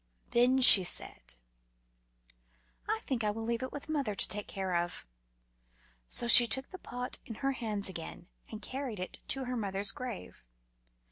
Then she said "I think I will leave it with mother to take care of." So she took the pot in her hands again and carried it to her mother's grave.